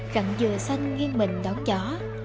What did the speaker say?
cặn dừa xanh nghiêng mình đóng gió